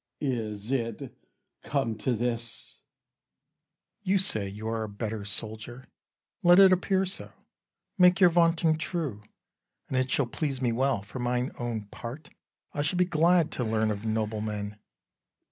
Cas. Is it come to this? Bru. You say you are a better soldier: Let it appear so; make your vaunting true, And it shall please me well: for mine own part, I shall be glad to learn of noble men.